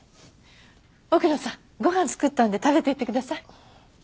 奥野さんご飯作ったんで食べていってください。